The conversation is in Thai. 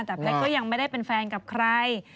แต่แพทย์ก็ยังไม่ได้เป็นแฟนกับใคร